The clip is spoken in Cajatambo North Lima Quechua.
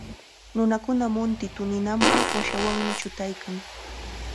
Nunakuna munti tuninanpaq waskawanmi chutaykan.